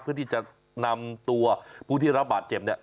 เพื่อที่จะนำตัวผู้ที่รับบาดเจ็บเนี่ย